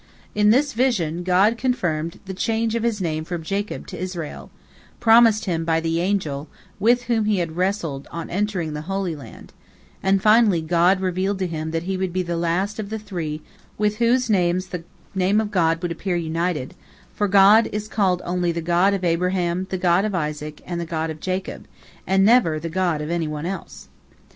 In this vision, God confirmed the change of his name from Jacob to Israel, promised him by the angel with whom he had wrestled on entering the Holy Land, and finally God revealed to him that he would be the last of the three with whose names the Name of God would appear united, for God is called only the God of Abraham, the God of Isaac, and the God of Jacob, and never the God of any one else.